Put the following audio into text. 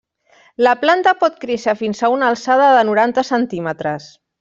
La planta pot créixer fins a una alçada de noranta centímetres.